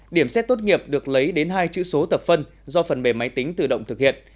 điểm xét tốt nghiệp được lấy đến hai chữ số tập phân do phần bề máy tính tự động thực hiện